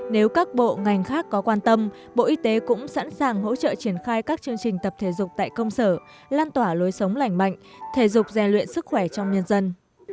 nếu các bộ ngành khác có quan tâm bộ y tế cũng sẵn sàng hỗ trợ triển khai các chương trình tập thể dục tại công sở lan tỏa lối sống lành mạnh thể dục rèn luyện sức khỏe trong nhân dân